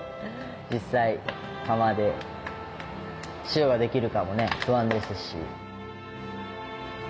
実際釜で塩ができるかもね不安ですし。